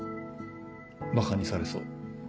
ばかにされそう。